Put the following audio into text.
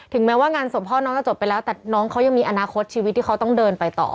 แม้ว่างานศพพ่อน้องจะจบไปแล้วแต่น้องเขายังมีอนาคตชีวิตที่เขาต้องเดินไปต่อ